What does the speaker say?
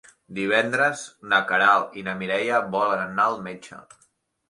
Divendres na Queralt i na Mireia volen anar al metge.